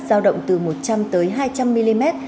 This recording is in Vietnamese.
giao động từ một trăm linh tới hai trăm linh mm